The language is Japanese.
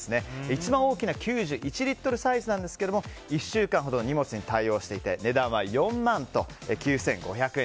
一番大きな９１リットルサイズは１週間ほどの荷物に対応していて値段は４万９５００円です。